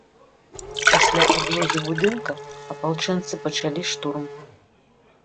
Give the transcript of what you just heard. Пасля аблогі будынка апалчэнцы пачалі штурм.